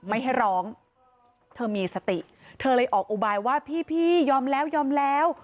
ไม่ให้ร้องเธอมีสติเธอเลยออกอุบายว่าพี่ยอมแล้วยอมแล้ว